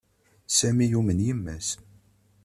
Sami yumen yemma-s.